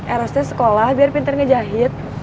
erosnya sekolah biar pinter ngejahit